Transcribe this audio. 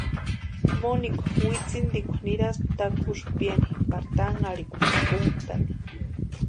Monika witsintekwa nirasti takusï piani pari tanharhikwa ma úntʼani.